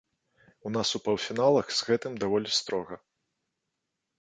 У нас у паўфіналах з гэтым даволі строга.